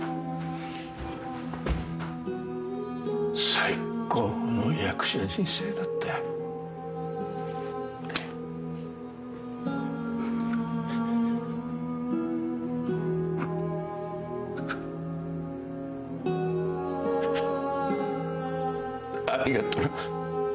最高の役者人生だったよ。ありがとな。